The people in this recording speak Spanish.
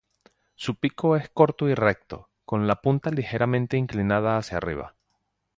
Su pico es corto y recto, con la punta ligeramente inclinada hacia arriba